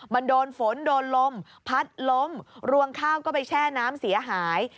มันโดนฝนโดนลมพัดล้มรวงข้าวก็ไปแช่น้ำเสียหาย